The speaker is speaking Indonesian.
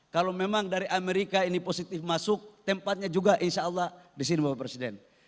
kalau memang dari amerika ini positif masuk tempatnya juga insya allah di sini bapak presiden